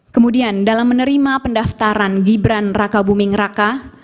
kemudian dalam menerima pendaftaran gibran raka buming raka